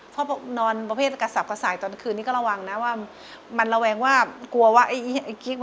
พ่อพวกนอนประเภทกระสาปกระสาย